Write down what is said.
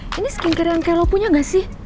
eh ini skincare yang kayak lo punya gak sih